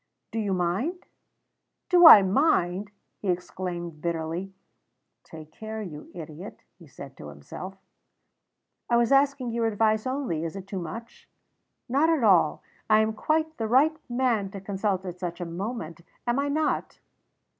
"Do you mind?" "Do I mind!" he exclaimed bitterly. ("Take care, you idiot!" he said to himself.) "I was asking your advice only. Is it too much?" "Not at all. I am quite the right man to consult at such a moment, am I not?"